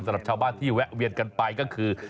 สำหรับชาวบ้านที่แวะเวียนกันไปก็คือ